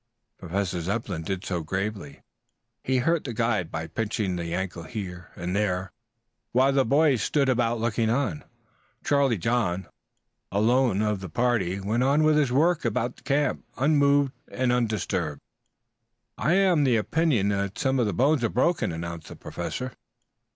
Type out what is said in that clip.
Professor Zepplin did so gravely. He hurt the guide by pinching the ankle here and there, while the boys stood about looking on. Charlie John alone of the party went on with his work about the camp, unmoved, undisturbed. "I am of the opinion that some of the bones are broken," announced the Professor.